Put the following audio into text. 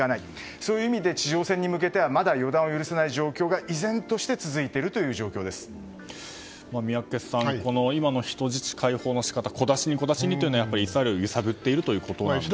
そういう意味で地上戦に向けてはまだ予断を許さない状況が宮家さん、今の人質解放の仕方小出しにというのはイスラエルを揺さぶっているんでしょうか。